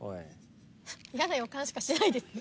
嫌な予感しかしないですね